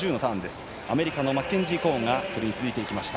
アメリカのマッケンジー・コーンが続いていきました。